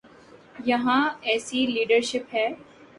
یہاں ایسی لیڈرشپ ہے؟